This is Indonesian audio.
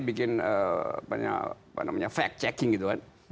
bikin fact checking gitu kan